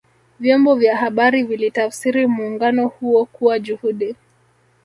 vyombo vya habari vilitafsiri muungano huo kuwa juhudi